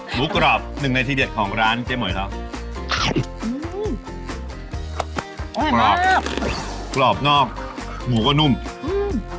หมูกรอบหนึ่งในที่เด็ดของร้านเจมส์เหมือนกับอืมอร่อยมากกรอบนอกหมูก็นุ่มอืม